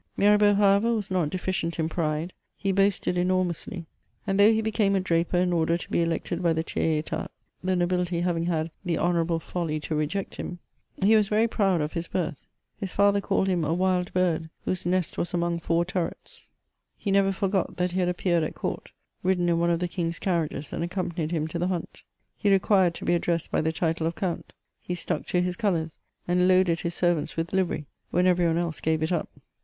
Mirabeau, however, was not deficient in pride; he boasted enormously ; and though he became a draper in order to be elected by the tiers Hat (the nobility having had the honourable folly to reject him), he was very proud of his birth ; his father called him a wild bird^ whose nest was among four turrets* He CHATEAUBRIAND. 217 neyer forgot that he had appeared at court, ridden in one of the 'king's carriages, and accompanied him to the hunt. He required to be addressed by the title of count ; he stuck to his colours, and k>aded his servants with livery when every one else gave it up.